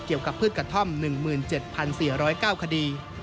เกี่ยวกับพืชกระท่อม๑๗๔๐๙คดี